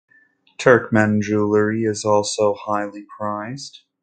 Turkmen jewelry is also highly prized.